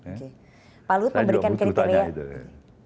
saya juga butuh tanya itu